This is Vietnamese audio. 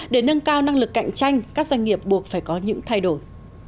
để nâng cao năng lực cạnh tranh các doanh nghiệp buộc phải có những thay đổi